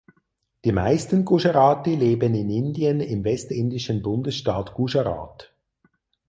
Die meisten Gujarati leben in Indien im westindischen Bundesstaat Gujarat.